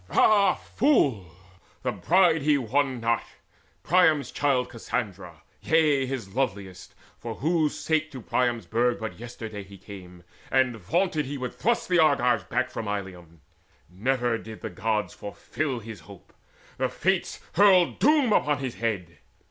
Ah fool! the bride he won not, Priam's child Cassandra, yea, his loveliest, for whose sake To Priam's burg but yesterday he came, And vaunted he would thrust the Argives back From Ilium. Never did the Gods fulfil His hope: the Fates hurled doom upon his head.